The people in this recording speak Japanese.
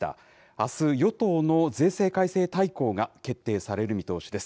あす、与党の税制改正大綱が決定される見通しです。